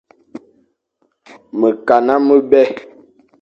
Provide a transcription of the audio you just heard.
Mekana mebè.